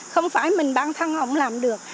không phải mình bản thân ông làm được